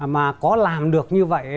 mà có làm được như vậy